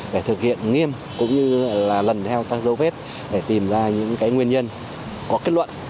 để thực hiện nghiêm cũng như là lần theo các dấu vết để tìm ra những nguyên nhân có kết luận